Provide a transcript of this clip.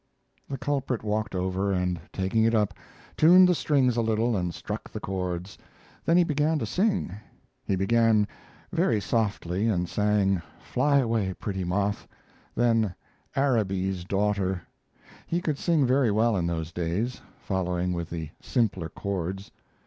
The culprit walked over, and taking it up, tuned the strings a little and struck the chords. Then he began to sing. He began very softly and sang "Fly Away, Pretty Moth," then "Araby's Daughter." He could sing very well in those days, following with the simpler chords.